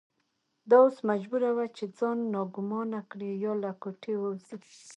دا اوس مجبوره وه چې ځان ناګومانه کړي یا له کوټې ووځي.